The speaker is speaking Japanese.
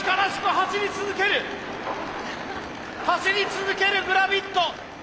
走り続けるグラビット。